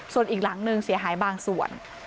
ส่วนอีกหลังหนึ่งเสียหายบางส่วน